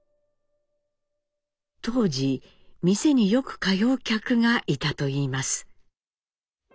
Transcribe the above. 当時店によく通う客がいたといいます。